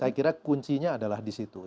saya kira kuncinya adalah di situ